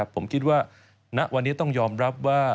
ผมคิดว่าณวันนี้ต้องยอมรับว่า